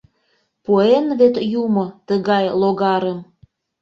Пуэн вет юмо тыгай логарым!..